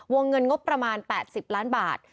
วงเงินงบประมาณ๘๐ล้านบาท